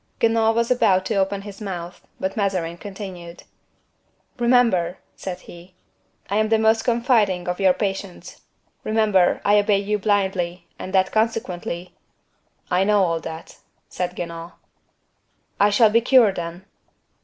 Guenaud was about to open his mouth, but Mazarin continued: "Remember," said he, "I am the most confiding of your patients; remember I obey you blindly, and that consequently—" "I know all that," said Guenaud. "I shall be cured, then?"